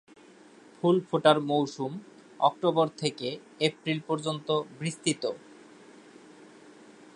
ফুল ফোটার মৌসুম অক্টোবর থেকে এপ্রিল পর্যন্ত বিস্তৃত।